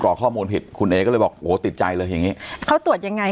ข้อมูลผิดคุณเอก็เลยบอกโหติดใจเลยอย่างงี้เขาตรวจยังไง